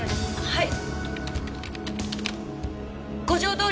はい！